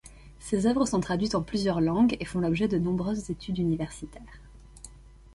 Ces œuvres sont traduites en plusieurs langues et font l’objet de nombreuses études universitaires.